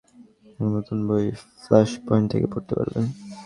আমার নতুন বই ফ্লাশপয়েন্ট থেকে পড়তে পারবেন।